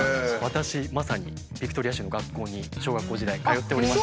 私まさにビクトリア州の学校に小学校時代通っておりまして。